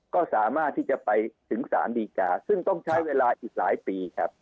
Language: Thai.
ก็สามารถที่จะไปถึงสารดีกาซึ่งต้องใช้เวลาอีกหลายปีครับ